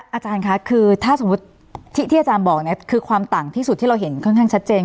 อาจารย์คะคือถ้าสมมุติที่อาจารย์บอกเนี่ยคือความต่างที่สุดที่เราเห็นค่อนข้างชัดเจน